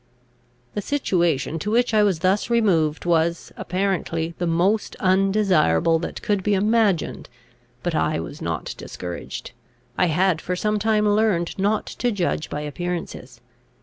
] The situation to which I was thus removed was, apparently, the most undesirable that could be imagined but I was not discouraged; I had for some time learned not to judge by appearances.